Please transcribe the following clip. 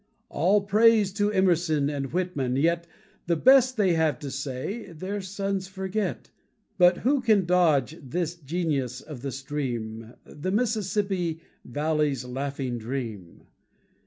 All praise to Emerson and Whitman, yet The best they have to say, their sons forget. But who can dodge this genius of the stream, The Mississippi Valley's laughing dream?